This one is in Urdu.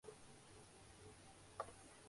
وائس آف امریکہ سے گفتگو کرتے ہوئے